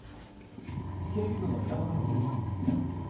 警備部の山上と申します。